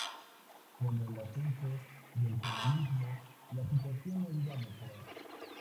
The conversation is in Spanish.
Con el ascenso del comunismo, la situación no iba a mejorar.